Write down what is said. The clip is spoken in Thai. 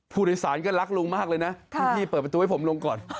ผู้โดยสารก็รักลุงมากเลยนะพี่เปิดประตูให้ผมลงก่อน